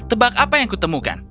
tebak apa yang kutemukan